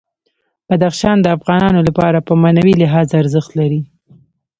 بدخشان د افغانانو لپاره په معنوي لحاظ ارزښت لري.